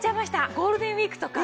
ゴールデンウィークとか。